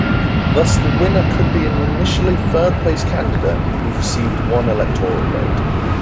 Thus the winner could be an initially third-place candidate who received one electoral vote.